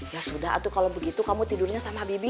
ya sudah tuh kalau begitu kamu tidurnya sama bibi